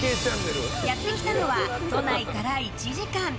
やってきたのは都内から１時間。